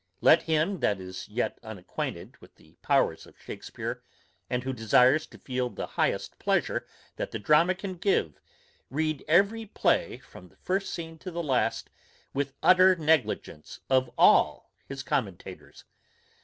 Let him, that is yet unacquainted with the powers of Shakespeare, and who desires to feel the highest pleasure that the drama can give, read every play from the first scene to the last, with utter negligence of all his commentators.